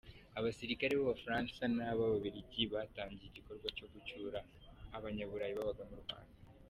Abasirikare b’Abafaransa n’Ababiligi, batangiye igikorwa cyo gucyura abanyaburayi babaga mu Rwanda.